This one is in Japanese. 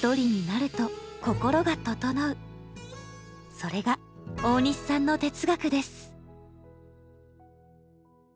それが大西さんの哲学です。